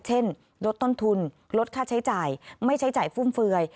ลดต้นทุนลดค่าใช้จ่ายไม่ใช้จ่ายฟุ่มเฟือย